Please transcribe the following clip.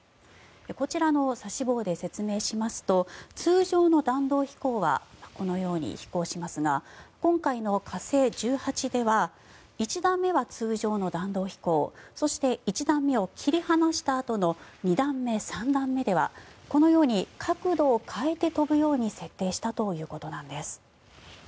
こちらの指し棒で説明しますと通常の弾道飛行はこのように飛行しますが今回の火星１８では１段目は通常の弾道飛行そして１段目を切り離したあとの２段目３段目ではこのように角度を変えて飛ぶように設定したということです。